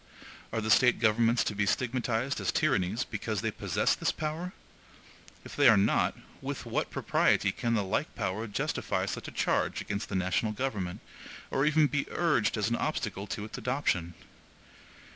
Are the State governments to be stigmatized as tyrannies, because they possess this power? If they are not, with what propriety can the like power justify such a charge against the national government, or even be urged as an obstacle to its adoption?